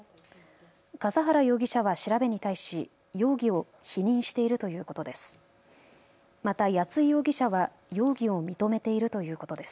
笠原容疑者は調べに対し容疑を否認しているということです。